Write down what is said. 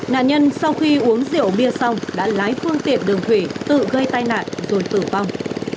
nạn nhân sau khi uống rượu bia xong đã lái phương tiện đường thủy tự gây tai nạn rồi tử vong